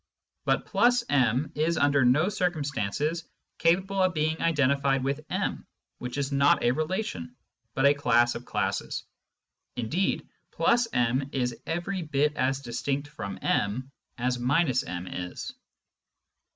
But \ m is under no circumstances capable of being identified with m, which is not a relation, but a class of classes. Indeed, \ m is every bit as distinct from m as —m is.